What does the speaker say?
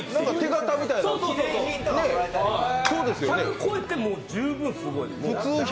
１００超えても十分すごいです。